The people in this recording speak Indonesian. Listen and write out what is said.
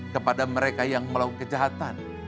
kepada mereka yang melakukan kejahatan